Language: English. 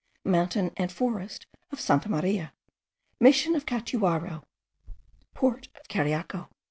MOUNTAIN AND FOREST OF SANTA MARIA. MISSION OF CATUARO. PORT OF CARIACO.